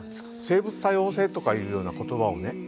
生物多様性とかいうような言葉をね